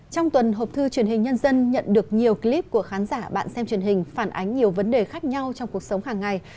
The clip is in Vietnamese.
trong tuần hộp thư truyền hình nhân dân nhận được nhiều clip của khán giả bạn xem truyền hình phản ánh nhiều vấn đề khác nhau trong cuộc sống hàng ngày